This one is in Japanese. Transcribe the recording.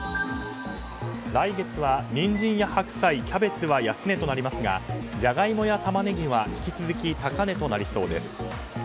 来月はニンジンや白菜キャベツは安値となりますがジャガイモやタマネギは引き続き高値となりそうです。